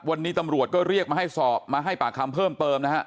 วันนี้ตำรวจก็เรียกมาให้สอบมาให้ปากคำเพิ่มเติมนะฮะ